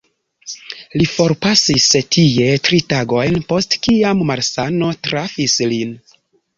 Li forpasis tie, tri tagojn post kiam malsano trafis lin.